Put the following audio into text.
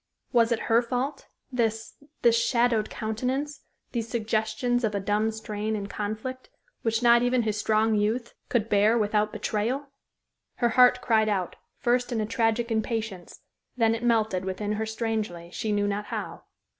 Was it her fault, this this shadowed countenance, these suggestions of a dumb strain and conflict, which not even his strong youth could bear without betrayal? Her heart cried out, first in a tragic impatience; then it melted within her strangely, she knew not how.